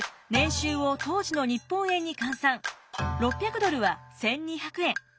６００ドルは１，２００円。